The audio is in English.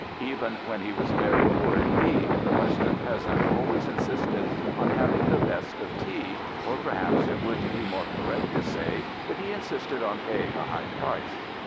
Even when he was very poor indeed the western peasant always insisted on having the best of tea, or perhaps it would be more correct to say that he insisted on paying a high price.